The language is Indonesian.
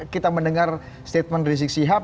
kita mendengar statement rizik sihab